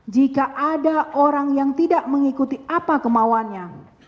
jika ada orang yang tidak mengikuti apa kemauannya